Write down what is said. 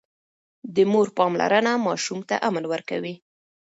د مور پاملرنه ماشوم ته امن ورکوي.